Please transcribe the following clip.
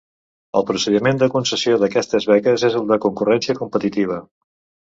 El procediment de concessió d'aquestes beques és el de concurrència competitiva.